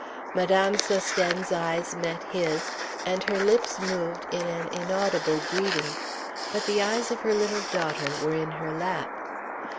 Madame Sosthène's eyes met his, and her lips moved in an inaudible greeting; but the eyes of her little daughter were in her lap.